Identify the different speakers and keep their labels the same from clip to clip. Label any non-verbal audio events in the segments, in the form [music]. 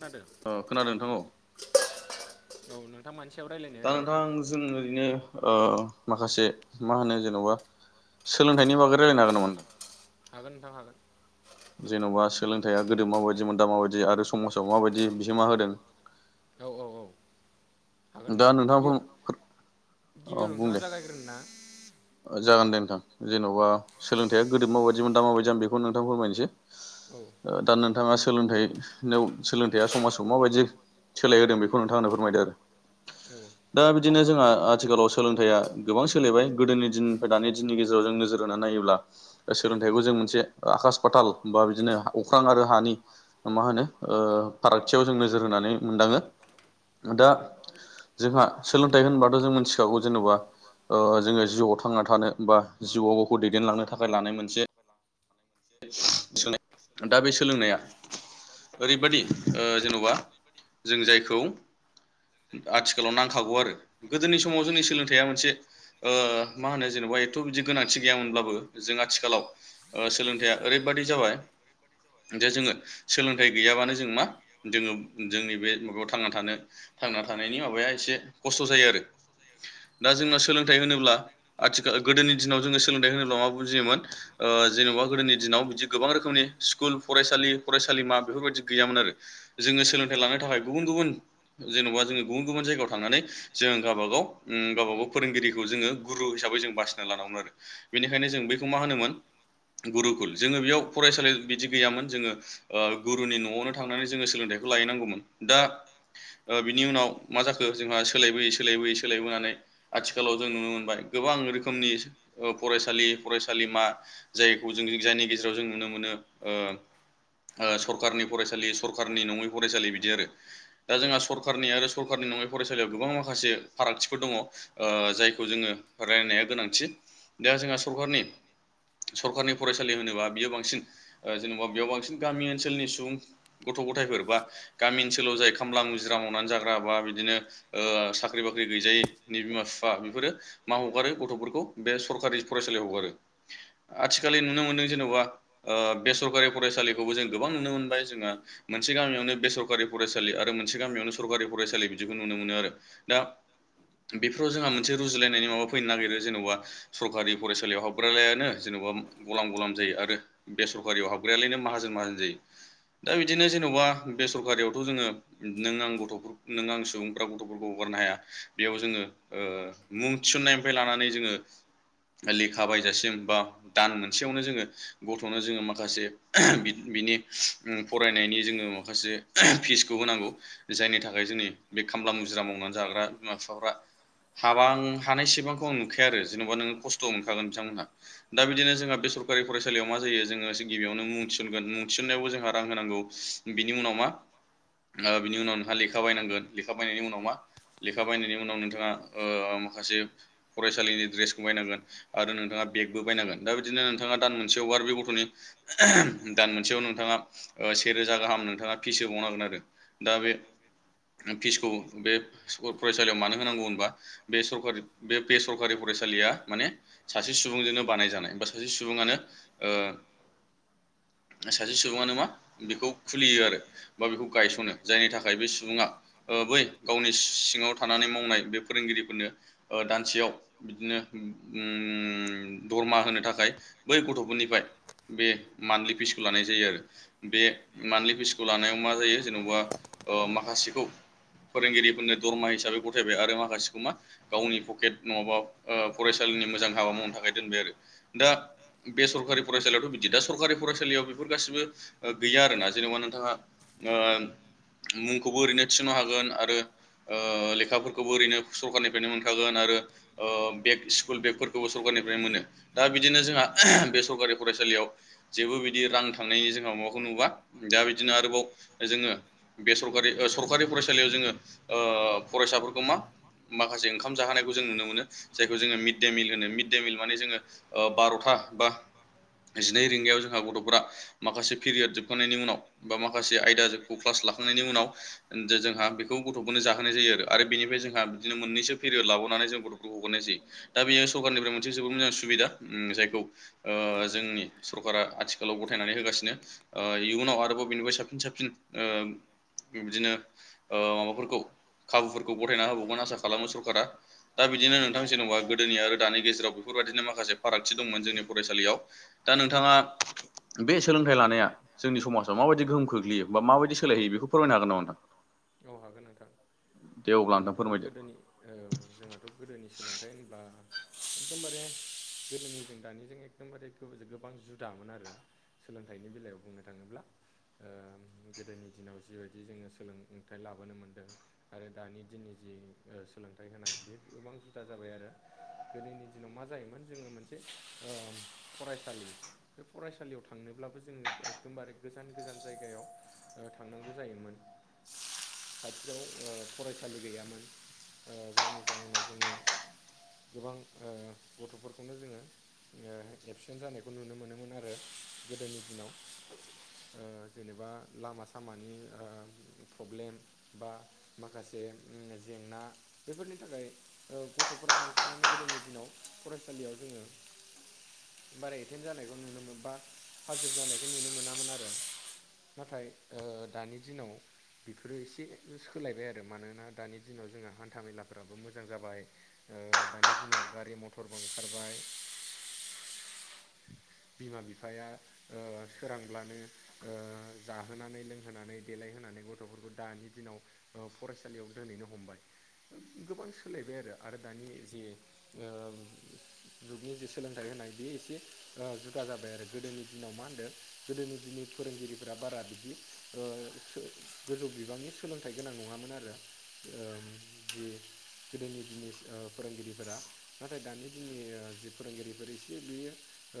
Speaker 1: खोनादों
Speaker 2: अ खोनादों नोंथां औ
Speaker 1: औ नोंथां मानि सायाव रायलायनो
Speaker 2: दा
Speaker 1: ओरैनो
Speaker 2: नोंथां जों ओरैनो ओ माखासे मा होनो जेन'बा सोलोंथाइनि बागै रायलायनो हागोन नामा नों
Speaker 1: हागोन नोंथां हागोन
Speaker 2: जेन'बा सोलोंथाया गोदो माबायदि मोन दा माबायदि आरो समाजाव माबायदि बिहोमा होदों
Speaker 1: औ औ औ हागोन
Speaker 2: दा
Speaker 1: नोंथां
Speaker 2: नोंथाङा
Speaker 1: गिबियाव
Speaker 2: अ
Speaker 1: गिबियाव
Speaker 2: बुं
Speaker 1: नोंथाङा
Speaker 2: दे
Speaker 1: जागाय गोर गोन ना
Speaker 2: जागोन दे नोंथां
Speaker 1: औ
Speaker 2: जेन'बा सोलोंथाइया गोदो माबायदिमोन दा माबायदि आं बेखौ नोंथां फोरमायनोसै।
Speaker 1: औ
Speaker 2: दा नोंथाङा सोलोंथाइ सोलोंथाइया समाजाव माबायदि सोलाय होदों बेखौ नोंथाङा आंनो फोरमायदो आरो
Speaker 1: औ
Speaker 2: दा बिदिनो जोंहा आथिखालाव सोलोंथाइया गोबां सोलिबाय गोदोनि दिननि दानि दिननि गेजेराव जों नोजोर होनानै नायोब्ला सोलोंथाइखौ जों मोनसे आकास फाथाल बा बिदिनो अख्रां आरो हानि मा होनो फारागथियाव जों नोजोर होनानै मोनदाङो दा जोंहा सोलोंथाइ होनबाथ' जों मिथिखागौ जेनेबा जोङो जिउवाव थांना थानो बा जिउवाव गावखौ दैदेनलांनो थाखाय लानाय मोनसे सोलोंनाय दा बे सोलोंनाया ओरैबादि ओ जेन'बा जों जायखौ आथिखालाव नांखागौ आरो गोदोनि समाव जोंनि सोलोंथाइया मोनसे ओ मा होनो जेनेबा एथ' बिदि गोनांथि गैयामोनब्लाबो जों आथिखालाव ओ सोलों थाइया ओरैबादि जाबाय दा जोङो सोलोंथाइ गैयाबानो जों मा जोङो जोंनि बे माबायाव थांना थानो थांना थानायनि माबाया एसे खस्थ' जायो आरो दा जोंना सोलोंथाइ होनोब्ला आथिखाल गोदोनि दिनाव जोङो सोलोंथाइ होनोब्ला मा बुजियोमोन जेन'बा गोदोनि दिनाव बिदि गोबां रोखोमनि स्कुल फरायसालि फरायसालिमा बेफोरबायदि गैयामोन आरो। जोङो सोलोंथाइ लानो थाखाय गुबुन गुबुन जेन'बा जोङो गुबुन गुबुन जायगायाव थांनानै जों गावबा गाव गावबा गाव फोरोंगिरिखौ जोङो गुरु हिसाबै जों बासिना लानांगौ आरो। बेनिखायनो जों बेखौ मा होनोमोन गुरुकुल जोङो बेयाव फरायसालि बिदि गैयामोन जोङो ओ गुरुनि न'आवनो थांनानै जोङो सोलोंथाइखौ लाहैनांगौमोन दा बिनि उनाव मा जाखो जोंहा सोलायबोयै सोलायबोयै सोलायबोनानै आथिखालाव जों नुनो मोनबाय गोबां रोखोमनि फरायसालि फरायसालिमा जायखौ जों जायनि गेजेराव जों नुनो मोनो ओ सरखारनि फरायसालि सरखारनि नङै फरायसालि बिदि आरो। दा जोंहा सरखारनि आरो सरकारनि नङै फरायसालियाव गोबां माखासे फारागथिफोर दङ। जायखौ जोङो रायलायनाया गोनांथि दा जोंहा सरखारनि सरखारनि फरायसालि होनोबा बियो बांसिन जेन'बा बेयाव बांसिन गामि ओनसोलनि सुबुं गथ' गथायफोर बा गामि ओनसोलाव जाय खामला हाजिरा मावनानै जाग्रा बा बिदिनो साख्रि बाख्रि गैजायैनि बिमा बिफा बेफोरो मा हगारो गथ'फोरखौ बे सरखारि फरायसालियाव हगारो आथिखालनि नुनो मोनदों जेन'बा ओ बे सरखारि फरायसालिखौबो जों गोबां नुनो मोनबाय जोङो। मोनसे गामियावनो बेसरखारि फरायसालि आरो मोनसे गामियावनो सरखारि फरायसालि बिदिखौ नुनो मोनो आरो। दा बेफोराव जोंहा मोनसे रुजुलायनाय नआव फैनो नागिरो जेनेबा सरखारि फरायसालियाव हाबग्रालायानो जेन'बा गलाम गलाम जायो आरो बेसरखारियाव हाबग्रायालायनो माहाजोन माहाजोन जायो। दा बिदिनो जेन'बा बेसरखारियावथ' जोङो नों आं गथ' नों आं सुबुंफ्रा गथ'फोरखौ हगारनो हाया बेयाव जोङो ओ मुं थिसन्नायनिफ्राय लानानै जोङो लेखा बायजासिम बा दान मोनसेयावनो जोङो गथ'नो जोङो माखासे बिनि फरायनायनि जोङो माखासे फिसखौ होनांगौ। जायनि थाखाय जोंनि बे खामला मुजिरा मावनानै जाग्रा बिमा बिफाफ्रा हाबा आ हानायसेबांखौ आं नुखाया आरो जेन'बा नोङो खस्थ' मोनखागोन बिथांमोनहा। दा बिदिनो जोंहा बे सरकारि फरायसालियाव मा जायो जोङो गिबियावनो मुं थि नु थिसननायावबो जोंहा रां होनांगौ बिनि उनाव मा? बिनि उनाव नोंहा लेखा बायनांगोन लेखा बायनायनि उनाव मा? लेखा बायनायनि उनाव नोंथाङा ओ माखासे फरायसालिनि ड्रेसखौ बायनांगोन आरो नोंथाङा बेग बो बायनांगोन दा बिदिनो नोंथाङा दान मोनसेयाव बा बे गथ'नि दान मोनसेयाव नोंथाङा से रोजा गाहाम नोंथाङा फिस होबावनांगोन आरो दा बे फिसखौ बे फरायसालियाव मानो होनांगौ होनबा बे सरकारि बे बेसरकारि फरायसालिया माने सासे सुबुंजोंनो बानाय जानाय बा सासे सुबुङानो ओ सासे सुबुङानो मा बेखौ खुलियो आरो बा बेखौ गायसनो जायनि थाखाय बे सुबुङा ओ बै गावनि सिङाव थानानै मावनाय बे फोरोंगिरिफोरनो ओ दानसेयाव बिदिनो उम दरमा होनो थाखाय बै गथ'फोरनिफ्राय बे मान्थलि फिसखौ लानाय जायो आरो बे मान्थलि फिसखौ लानायाव मा जायो जेन'बा ओ माखासेखौ फोरोंगिरिफोरनो दरमा हिसाबै गथायबाय आरो माखासेखौ मा गावनि पकेट नङाबा फरायसालिनि मोजां हाबा मावनो थाखाय दोनबाय आरो दा बे सरकारि फरायसालियावथ' बिदि दा सरकारि फरायसालियाव बेफोर गासिबो गैया आरोना जेन'बा नोंथाङा ओ मुंखौबो ओरैनो थिसननो हागोन आरो ओ लेखाफोरखौबो ओरैनो सरखारनिफ्रायनो मोनखागोन आरो ओ बेग स्कुल बेगफोरखौबो सरखारारनिफ्रायनो मोनो दा बिदिनो जोंहा बे सरकारि फरायसालियाव जेबो बिदि रां थांनायनि जोंहा माबाखौ नुवा दा बिदिनो आरोबाव जोङो बे सरकारि ओ सरकारि फराय सालियाव जोङो ओ फरायसाफोरखौ मा माखासे ओंखाम जोहोनायखौ जों नुनो मोनो जायखौ जोङो मिडे मिल होनो मिड दे मिल माने जोङो बार'था बा जिनै रिंगायाव जोंहा गथ'फोरा माखासे पिरियद जोबखांनायनि उनाव बा माखासे आयदाखौ क्लास लाखांनायनि उनाव जे जोंहा बेखौ गथ'फोरनो जाहोनाय जायो आरो बेनिफ्राय जोंहा बिदिनो मोननैसो पेरियद लाबाव नानै गथ'फोरखौ हगारनाय जायो दा बे सखारनिफ्राय मोजां सुबिदा उम जायखौ ओ जोंनि सरकारा आथिखालाव गथायनानै होगासिनो ओ इयुनाव आरोबाव बिनिफ्राय साबसिन साबसिन ओ बिदिनो ओ माबाफोरखौ खाबुफोरखौ गथायना होबावगोन आसा खालामो सरकारा दा बिदिनो नोंथां जेन'बा गोदोनि आरो दानि गेजेराव बेफोरबायदिनो माखासे फारागथि दंमोन जोंनि फरायसालियाव दा नोंथाङा बे सोलोंथाइ लानाया जोंनि समाजाव माबायदि गोहोम खोख्लैयो बा माबायदि
Speaker 1: माबायदि सोलायो बेखौ फोरमायनो हागोन नोंथां औ हागोन नोंथां
Speaker 2: दे अब्ला नोंथां
Speaker 1: जोंहाथ'
Speaker 2: फोरमायदो
Speaker 1: गोदोनि औ जोंहाथ' गोदोनि सोलोंथाइ होनबा एकदमबारे गोदोनिजों दानिजों एखदमबारे गो गोबां जुदामोन आरो सोलोंथाइनि बेलायाव बुंनो थाङोब्ला ओ गोदोनि दिनाव जिबायदि जोङो सोलोंथाइ लाबोनो मोन्दों आरो दानि दिननि जि सोलोंथाइ होनाय बे गोबां जुदा जाबाय आरो गोदोनि दिनाव मा जायोमोन जोङो मोनसे ओ फरायसालि बे फरायसालियाव थांनोब्लाबो जोङो एकदमबारे गोजान गोजान जायगायाव थांनांगौ जायोमोन खाथियाव ओ फरायसालि गैयामोन ओ जायनि जाहोनाव जोङो गोबां ओ गथ'फोरखौनो जोङो ओ एबसेन्ट जानायखौ नुनो मोनोमोन आरो गोदोनि दिनाव ओ जेनेबा लामा सामानि ओ प्रब्लेम बा माखासे जेंना बेफोरनि थाखाय ओ गथ'फोरा बांसिनानो गोदोनि दिनाव फरायसालियाव जोङो बारा एटेन जानायखौ नुनो मोना बा हाजिर जानायखौ नुनो मोनामोन आरो नाथाय ओ दानि दिनाव बेफोरो एसे सोलायबाय आरो मानोना दानि दिनाव जोंहा हान्था मेलाफोराबो मोजां जाबाय ओ दानि दिनाव गारि मथरबो ओंखारबाय बिमा बिफाया ओ सोरांब्लानो ओ जा होनानै लोंहोनानै देलायहोनानै गथ'फोरखौ दानि दिनाव फरायसालियाव दोनहैनो हमबाय गोबां सोलायबाय आरो आरो दानि जे ओ जुगनि जि सोलोंथाइ होनाय बे एसे जुदा जाबाय आरो गोदोनि दिनाव मा होनदों गोदोनि दिनै फोरोंगिरिफ्रा बारा ओ बिदि गोजौ बिबांनि सोलोंथाइ गोनां नङामोन आरो ओं बि गोदोनि दिनि फोरोंगिरिफोरा नाथाय दानि दिननि जि फोरोंगिरिफोर एसे बियो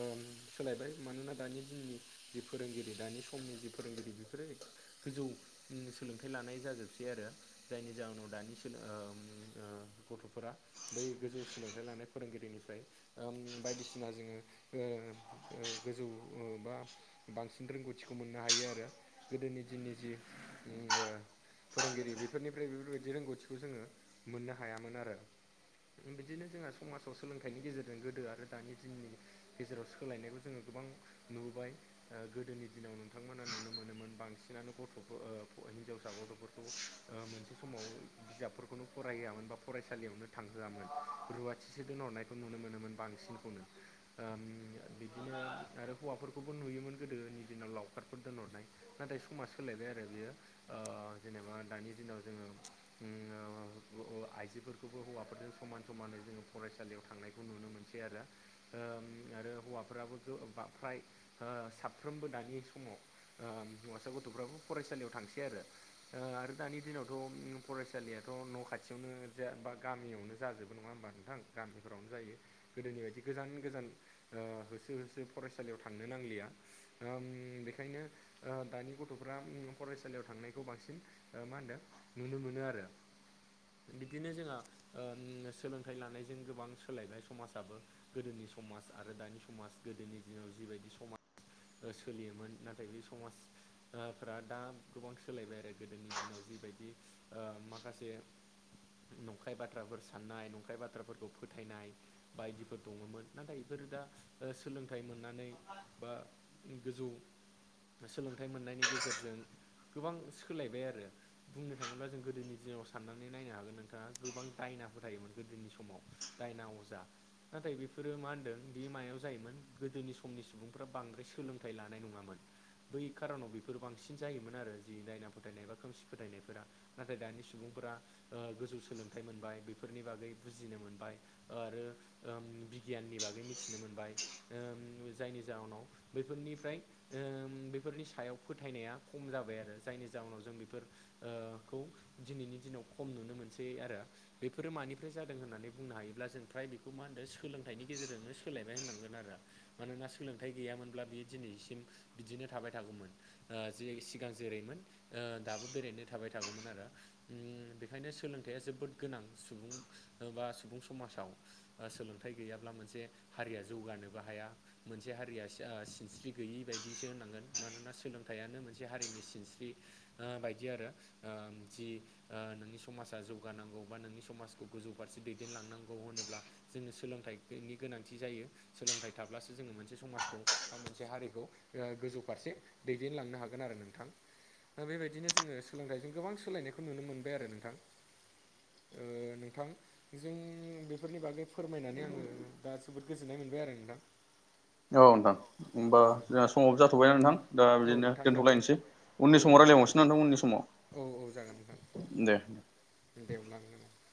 Speaker 1: ओम सोलायबाय मानोना दानि दिननि जि फोरोंगिरि दानि समनि जि फोरोंगिरि बेफोरो गोजौ ओ सोलोंथाइ लानाय जाजोबसै आरो जायनि जाहोनाव दानि सोलो ओम ओम गथ'फोरा बै गोजौ सोलोंथाइ लानाय फोरोंगिरिनिफ्राय ओम बायदिसिना जोङो ओ ओ गोजौ बा बांसिन रोंगौथिखौ मोननो हायो आरो गोदोनि दिननि जि फोरोंगिरि बेफोरनिफ्राय बेफोरबायदि रोंगौथिखौ जोङो मोननो हायामोन आरो बिदिनो जोंहा समाजाव सोलोंथाइनि गेजेरजों गोदो आरो दानि दिननि गेजेराव सोलायनायखौ जोङो गोबां नुबोबाय गोदोनि दिनाव नोंथांमोना नुनो मोनो मोनोमोन बांसिनानो गथ' हिनजावसा गथ'फोरखौ मोनसे समाव बिजाब खौनो फरायहोआमोन बा फरायसालियावनो थांहोआमोन रुवाथिसो दोनहरनायखौ नुनो मोनोमोन बांसिनखौनो बिदिनो आरो हौवाफोरखौबो नुयोमोन गोदोनि दिनाव लावखारफोर दोनहरनाय नाथाय समाज सोलायबाय आरो बियो जेनेबा दानि दिनाव जोङो आइजोफोरखौबो हौवाफोरजों समान समानै जोङो फरायसालियाव थांनायखौ नुनो मोनो सै आरो दा आरो हौवाफोराबो फ्राय साफ्रोमबो दानि समाव हौवासा गथ'फ्राबो फरायसालियाव थांसै आरो आरो दानि दिनावथ' फरायसालियाथ' न' खाथियावनो बा गामियावनो जाजोबो नङा होमबा नोंथां गामिफोरावनो जायो गोदोनि बायदि गोजान गोजान ओ होसो होसो फरायसालियाव थांनो नांलिया आम बेखायनो दानि गथ'फ्रा फरायसालियाव थांनायखौ बांसिन ओ मा होनदों नुनो मोनो आरो बिदिनो जोंहा सोलोंथाइ लानायजों गोबां सोलायबाय समाजाबो गोदोनि समाज आरो दानि समाज गोदोनि दिनाव जिबायदि समाज सोलियोमोन नाथाय बे समाज फोर दा गोबां सोलायबाय आरो गोदोनि दिनाव जिबायदि माखासे नंखाय बाथ्राफोर साननाय नंखाय बाथ्राफोरखौ फोथायनाय बायदिफोर दङमोन नाथाय बेफोरो दा सोलोंथाइ मोननानै बा गोजौ सोलोंथाइ मोननायनि गेजेरजों गोबां सोलायबाय आरो बुंनो थाङोब्ला जों गोदोनि दिनाव साननानै नायनो हागोन नोंथाङा गोबां दायना फोथायोमोन गोदोनि समाव दायना अजा नाथाय बेफोरो मा होनदों बे मायाव जायोमोन गोदोनि समनि सुबुंफ्रा बांद्राय सो सोलोंथाइ लानाय नङामोन बै खार'नाव बेफोर बांसिन जायोमोन आरो जि दायना फोथायनाय बा खोमसि फोथायनायफोरा नाथाय दानि सुबुंफोरा ओ गोजौ सोलोंथाइ मोनबाय बेफोरनि बागै बुजिनो मोनबाय आरो ओम बिगियाननि बागै मिथिनो मोनबाय ओम जायनि जाहोनाव बेफोरनिफ्राय बेफोरनि सायाव फोथायनाया खम जाबाय आरो जायनि जाहोनाव जों बेफोर खौ दिनैनि दिनाव खम नुनो मोनसै आरो बेफोरो मानिफ्राय जादों होननानै बुंनो हायोब्ला जों फ्राय बेखौ मा होनदों सोलोंथाइनि गेजेरजोंनो सोलायबाय होननांगोन आरो मानोना सोलोंथाइ गैयामोन अब्ला बियो दिनैसिम बिदिनो थाबाय थागौमोन जे सिगां जेरैमोन दाबो बेरायनो थाबाय थागौमोन आरो बेखायनो सोलोंथाइया जोबोद गोनां सुबुं बा सुबुं समाजाव सोलोंथाइ गैयाब्ला मोनसे हारिया जौगानोबो हाया मोनसे हारिया सिनस्रि गैयि बायदिसो होनांगोन मानोना सोलोंथाइयानो मोनसे हारिनि सिनस्रि। बायदि आरो ओ जि ओ नोंनि समाजा जौगानांगौ बा नोंनि समाजखौ गोजौ फारसे दैदेनलांनांगौ होनोब्ला जोङो सोलोंथाइनि गोनांथि जायो सोलोंथाइ थाब्लासो जोङो मोनसे समाजखौ मोनसे हारिखौ गोजौ फारसे दैदेनलांनो हागोन आरो नोंथां। दा बेबायदिनो जोङो सोलोंथाइजों गोबां सोलायनायखौ नुनो मोनबाय आरो नोंथां। ओ नोंथां जों बेफोरनि बागै फोरमायनानै आङो दा जोबोद गोजोननाय मोनबाय आरो नोंथां।
Speaker 2: औ नोंथां होमबा
Speaker 1: उम
Speaker 2: जों समाव जाथ'बायना नोंथां दा
Speaker 1: औ
Speaker 2: बिदिनो
Speaker 1: नोंथां जाबाय
Speaker 2: दोनथ'लायनोसै। उननि
Speaker 1: औ औ
Speaker 2: समाव
Speaker 1: जागोन
Speaker 2: रायलायबावनोसै
Speaker 1: नोंथां
Speaker 2: उननि समाव
Speaker 1: औ औ जागोन नोंथां।
Speaker 2: दे
Speaker 1: दे अब्ला [unintelligible]